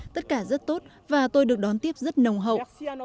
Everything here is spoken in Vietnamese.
tất cả rất tốt và tôi được đón tiếp rất nồng hậu